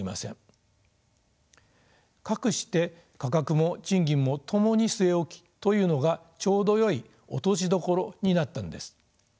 かくして価格も賃金もともに据え置きというのがちょうどよい落としどころになったんです。